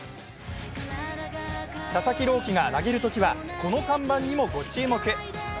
佐々木朗希が投げるときはこの看板にもご注目。